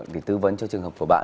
để tư vấn cho trường hợp của bạn